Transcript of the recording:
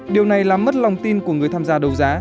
điều này làm mất lòng tin của người tham gia đấu giá